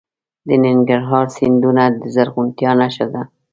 د ننګرهار سیندونه د زرغونتیا نښه ده.